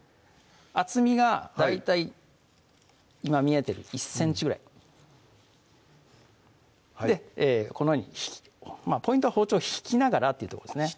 厚みが大体今見えてる１ｃｍぐらいこのようにポイントは包丁を引きながらっていうとこですね